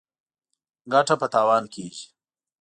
ـ ګټه په تاوان کېږي.